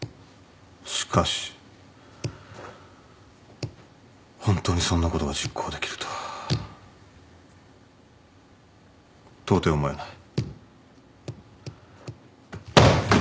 しかしホントにそんなことが実行できるとはとうてい思えない。